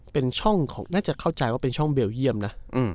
เป็นช่องของน่าจะเข้าใจว่าเป็นช่องเบลเยี่ยมนะ